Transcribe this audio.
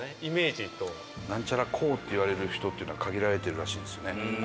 ナンチャラ公って言われる人っていうのは限られてるらしいですね。